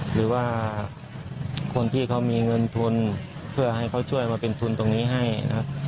หรือว่าคนที่เขามีเงินทุนเพื่อให้เขาช่วยมาเป็นทุนตรงนี้ให้นะครับ